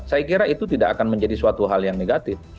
saya kira itu tidak akan menjadi suatu hal yang negatif